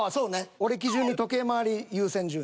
俺基準に時計回り優先順位。